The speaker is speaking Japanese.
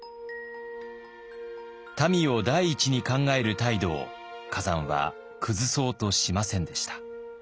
民を第一に考える態度を崋山は崩そうとしませんでした。